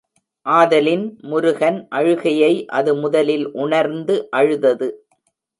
ஆதலின் முருகன் அழுகையை அது முதலில் உணர்ந்து அழுதது.